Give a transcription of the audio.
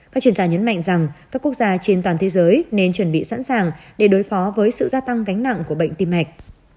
các chuyên gia nhấn mạnh rằng các quốc gia trên toàn thế giới nên chuẩn bị sẵn sàng để đối phó với sự gia tăng gánh nặng của bệnh tim mạch